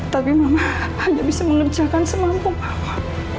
tapi mama hanya bisa mengerjakan semangkuk mama